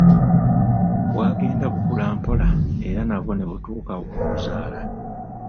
Bwagenda bukula mpola era nabwo ne butuuka okuzaala.